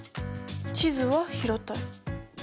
地図は平たい。